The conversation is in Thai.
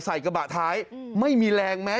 ใส่กระบะท้ายไม่มีแรงแม้